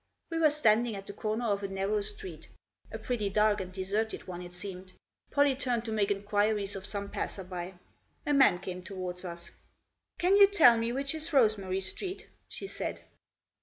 We were standing at the corner of a narrow street, a pretty dark and deserted one it seemed. Pollie turned to make enquiries of some passer by. A man came towards us. " Can you tell me which is Rosemary Street ?" she said.